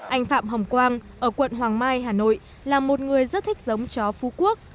anh phạm hồng quang ở quận hoàng mai hà nội là một người rất thích giống chó phú quốc